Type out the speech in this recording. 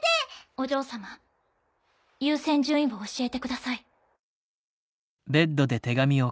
お嬢様優先順位を教えてください。